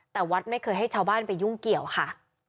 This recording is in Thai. แต่วัดไม่เคยให้ชาวบ้านไปยุ่งเกี่ยวค่ะ